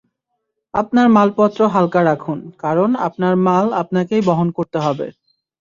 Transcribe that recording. আপনার মালপত্র হালকা রাখুন, কারণ আপনার মাল আপনাকেই বহন করতে হবে।